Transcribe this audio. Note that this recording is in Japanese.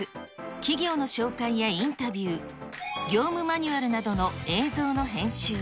企業の紹介やインタビュー、業務マニュアルなどの映像の編集。